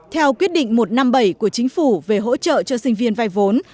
theo quyết định một trăm năm mươi bảy của chính phủ về hỗ trợ cho sinh viên vay vốn